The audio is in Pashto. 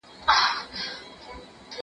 زه سبزیجات جمع کړي دي؟